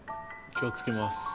気をつけます！